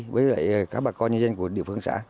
với các bà con nhân dân của địa phương xã